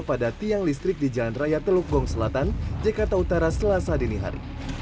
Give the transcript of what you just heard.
pada tiang listrik di jalan raya teluk gong selatan jakarta utara selasa dini hari